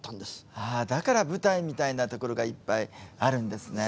だから舞台みたいな所がいっぱいあるんですね。